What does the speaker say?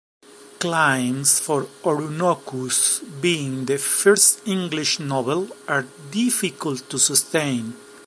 Claims for "Oroonoko's" being the "first English novel" are difficult to sustain.